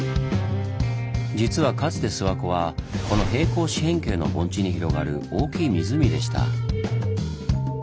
実はかつて諏訪湖はこの平行四辺形の盆地に広がる大きい湖でした。